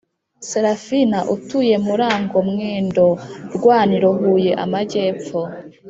Seraphine utuye MurangoMwendo Rwaniro HuyeAmajyepfo